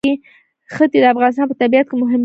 ښتې د افغانستان په طبیعت کې مهم رول لري.